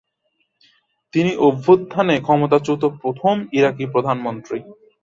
তিনি অভ্যুত্থানে ক্ষমতাচ্যুত প্রথম ইরাকি প্রধানমন্ত্রী।